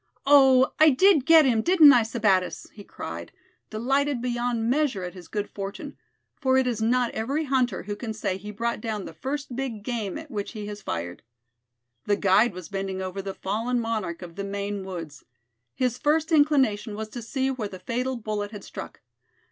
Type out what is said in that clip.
"Oh! I did get him, didn't I, Sebattis?" he cried, delighted beyond measure at his good fortune; for it is not every hunter who can say he brought down the first big game at which he has fired. The guide was bending over the fallen monarch of the Maine woods. His first inclination was to see where the fatal bullet had struck.